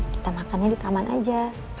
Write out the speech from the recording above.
kita makannya di taman aja